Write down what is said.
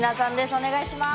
お願いします！